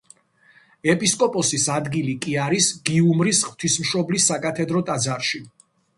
ეპისკოპოსის ადგილი კი არის გიუმრის ღვთისმშობლის საკათედრო ტაძარში.